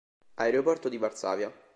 Aeroporto di Varsavia